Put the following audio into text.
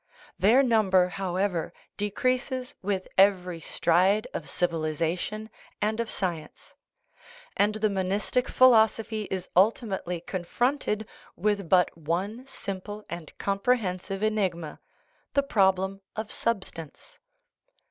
Their number, however, de creases with every stride of civilization and of science ; and the monistic philosophy is ultimately confronted with but one simple and comprehensive enigma the " problem of substance."